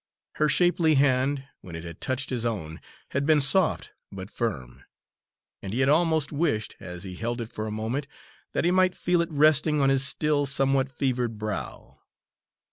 Her shapely hand, when it had touched his own, had been soft but firm; and he had almost wished, as he held it for a moment, that he might feel it resting on his still somewhat fevered brow.